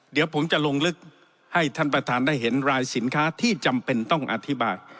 เดี๋ยวผมจะลงลึกให้ท่านประธานได้เห็นรายสินค้าที่จำเป็นต้องอธิบาย